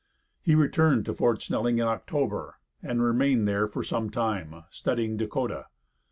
He returned to Fort Snelling in October, and remained there for some time, studying Dakota.